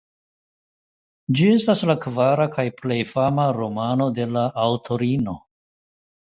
Ĝi estas la kvara kaj plej fama romano de la aŭtorino.